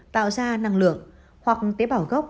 tạo ra năng lượng hoặc tế bào gốc